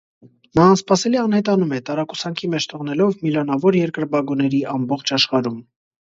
Նա անսպասելի անհետանում է՝ տարակուսանքի մեջ թողնելով միլիոնավոր երկրպագուների ամբողջ աշխարհում։